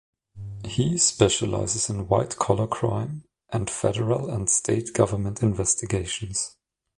He specializes in White-collar crime and federal and state government investigations.